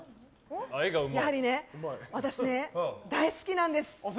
やはり、私ね、大好きなんです。